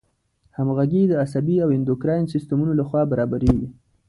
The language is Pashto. همغږي د عصبي او اندوکراین د سیستمونو له خوا برابریږي.